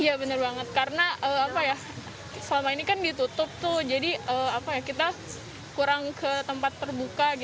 iya bener banget karena apa ya selama ini kan ditutup tuh jadi kita kurang ke tempat terbuka